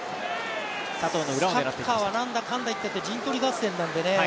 サッカーは何だかんだ言ったって陣取りゲームなんでね。